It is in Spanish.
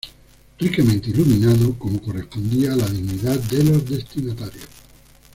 Ricamente iluminado, como correspondía a la dignidad de los destinatarios.